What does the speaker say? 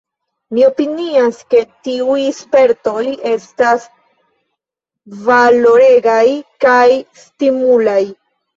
Mi opinias ke tiuj spertoj estas valoregaj kaj stimulaj.